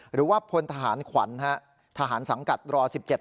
หรือว่าพลทหารขวัญทหารสังกัดรอ๑๗